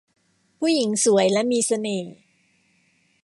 ผู้หญิงสวยและมีเสน่ห์